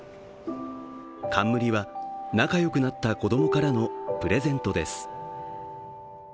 冠は、仲良くなった子供からのプレゼントです。